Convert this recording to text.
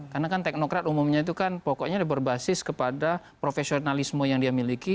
karena kan teknokrat umumnya itu kan pokoknya berbasis kepada profesionalisme yang dia miliki